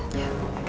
selamat malam michi